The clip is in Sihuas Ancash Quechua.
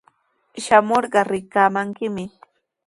Shamurqa rikamankimi.